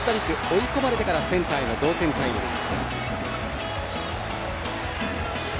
追い込まれてからセンターへの同点タイムリー。